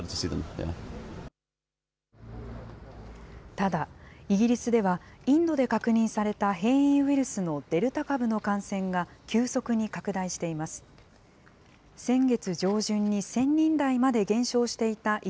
ただ、イギリスではインドで確認された変異ウイルスのデルタ株の感染が急速に拡大しています。